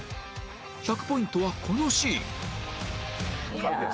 １００ポイントはこのシーン